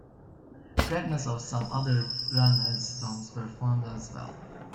Fragments of some other runestones were found as well.